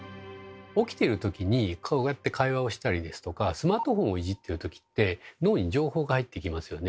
起きてる時にこうやって会話をしたりですとかスマートフォンをいじってる時って脳に情報が入ってきますよね。